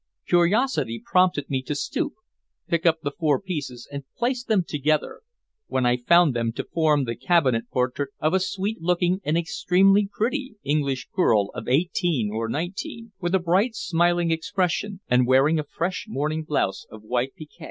Curiosity prompted me to stoop, pick up the four pieces and place them together, when I found them to form the cabinet portrait of a sweet looking and extremely pretty English girl of eighteen or nineteen, with a bright, smiling expression, and wearing a fresh morning blouse of white piqué.